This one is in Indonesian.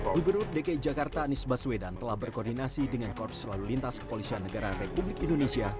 gubernur dki jakarta anies baswedan telah berkoordinasi dengan korps lalu lintas kepolisian negara republik indonesia